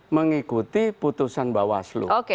mengikuti putusan bawaslu